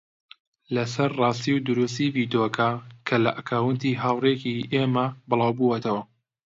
لەسەر ڕاستی و دروستی ڤیدیۆکە کە لە ئەکاونتی هاوڕێیەکی ئێمە بڵاوبووەتەوە